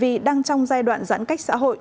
vì đang trong giai đoạn giãn cách xã hội